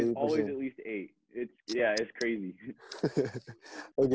selalu selalu sekurang kurangnya delapan